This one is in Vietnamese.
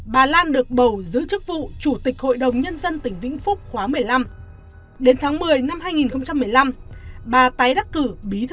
bà lan được bầu làm chủ tịch hội đồng nhân dân tỉnh vĩnh phúc nhiệm kỳ hai nghìn một mươi sáu hai nghìn hai mươi một